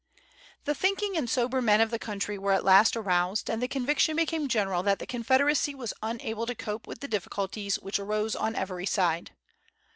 The thinking and sober men of the country were at last aroused, and the conviction became general that the Confederacy was unable to cope with the difficulties which arose on every side.